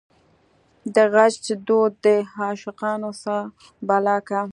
دغچ دود دعاشقانو څه بلا کا